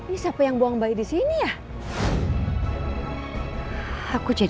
ini siapa yang buang bayi disini ya